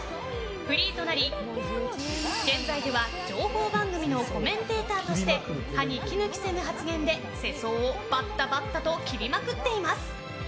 フリーとなり現在では情報番組のコメンテーターとして歯に衣着せぬ発言で世相をバッタバッタと切りまくっています。